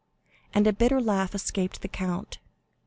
and a bitter laugh escaped the count.